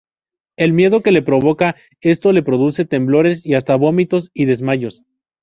El miedo que le provoca esto le produce temblores y hasta vómitos y desmayos.